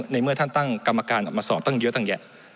เมื่อท่านตั้งกรรมการออกมาสอบตั้งเยอะตั้งแยะ